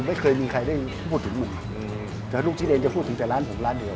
ไม่เคยมีใครได้พูดถึงผมแต่ลูกชิ้นเองจะพูดถึงแต่ร้านผมร้านเดียว